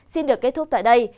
xin được kết thúc tại đây